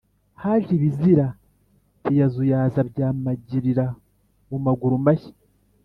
Haje ibizira ntiyazuyaza abyamagirira mu maguru mashya